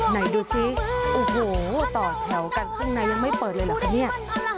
ไหนดูสิโอ้โหต่อแถวกันข้างในยังไม่เปิดเลยเหรอคะเนี่ย